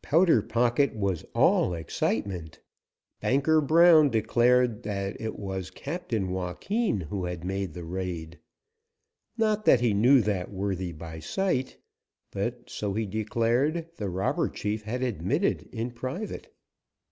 Powder Pocket was all excitement. Banker Brown declared it was Captain Joaquin who had made the raid. Not that he knew that worthy by sight, but so, he declared, the robber chief had admitted in private.